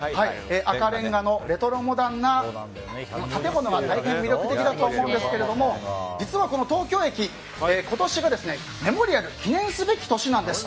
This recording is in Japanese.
赤レンガのレトロモダンな建物が大変、魅力的だと思うんですが実は、この東京駅今年がメモリアル記念すべき年なんです。